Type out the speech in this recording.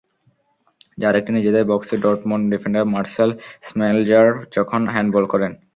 যার একটি নিজেদের বক্সে ডর্টমুন্ড ডিফেন্ডার মার্সেল স্মেলজার যখন হ্যান্ডবল করেন।